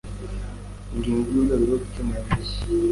Ingingo ya Urwego rwo gukemura ama